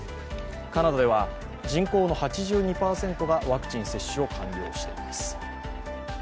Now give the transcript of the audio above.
カナダでは人口の８２％がワクチン接種を完了しています。